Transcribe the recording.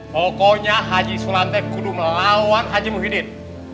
pokoknya haji sulam teh kudu melawan haji muhyiddin